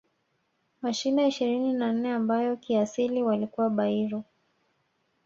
Mashina ishirini na nne ambayo kiasili walikuwa Bairu